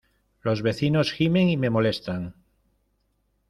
Los vecinos gimen y me molestan.